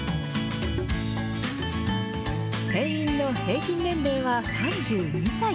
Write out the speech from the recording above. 店員の平均年齢は３２歳。